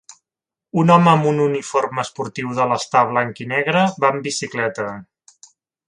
Un home amb un uniforme esportiu d'elastà blanc i negre va amb bicicleta